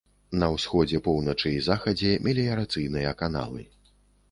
На ўсходзе, поўначы і захадзе меліярацыйныя каналы.